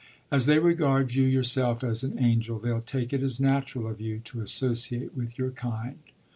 "As they regard you yourself as an angel they'll take it as natural of you to associate with your kind."